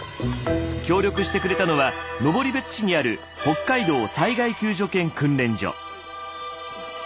協力してくれたのは登別市にある北海道災害救助犬訓練所。